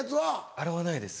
洗わないです。